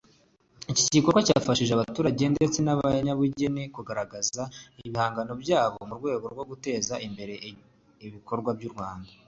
Iki gikorwa cyafashije abaturage ndetse n’abanyabugeni kugaragaza ibihangano byabo mu rwego rwo guteza imbere ibikorerwa mu Rwanda